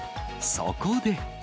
そこで。